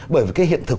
bởi vì cái hiện thực